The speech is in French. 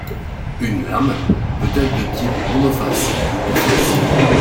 Une lame peut être de type monoface ou biface.